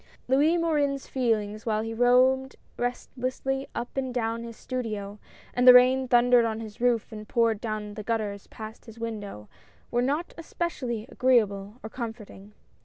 OUIS MORIN'S feelings while he roamed restlessly XJ up and down his studio, and the rain thundered on his roof and poured down the gutters past his window, were not especially agreeable or comforting.